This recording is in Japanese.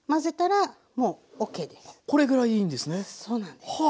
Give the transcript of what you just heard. これぐらいいいんですね。